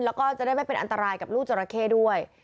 แล้วก็จะได้ไม่เป็นอันตรายกับลูกจราเข้ด้วย